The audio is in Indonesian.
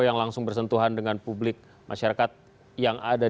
yang langsung bersentuhan dengan publik masyarakat yang ada di